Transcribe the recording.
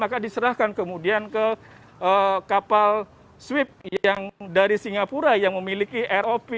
maka diserahkan kemudian ke kapal swip yang dari singapura yang memiliki rov